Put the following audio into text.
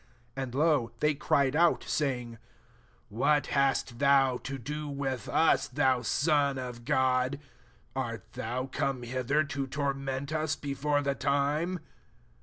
29 And, lo, they cried out, saying, What hast thou to do with us, Meai Son of God? Art thou coma hither to torment us before the time